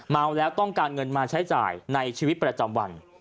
เมาแล้วต้องการเงินมาใช้จ่ายในชีวิตประจำวัน